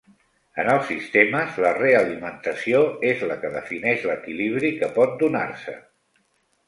En els sistemes la realimentació és la que defineix l'equilibri que pot donar-se.